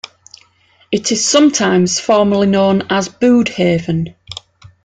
It is sometimes formerly known as Bude Haven.